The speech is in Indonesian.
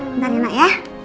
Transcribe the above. bentar rena ya